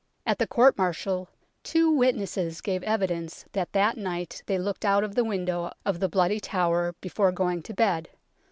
At the court martial two wit nesses gave evidence that that night they looked out of the window of the Bloody Tower before going to bed.